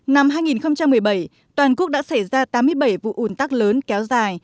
năm hai nghìn một mươi bảy toàn quốc đã xảy ra tám mươi bảy vụ ủn tắc lớn kéo dài